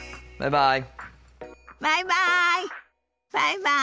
バイバイ。